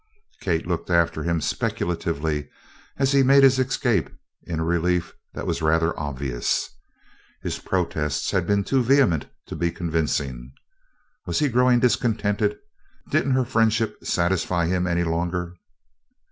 Kate looked after him speculatively as he made his escape in a relief that was rather obvious. His protests had been too vehement to be convincing. Was he growing discontented? Didn't her friendship satisfy him any longer?